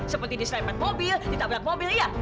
seperti dislaiman mobil ditabrak mobil iya